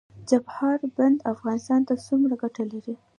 چابهار بندر افغانستان ته څومره ګټه لري؟